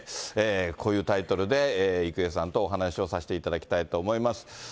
こういうタイトルで郁恵さんとお話をさせていただきたいと思います。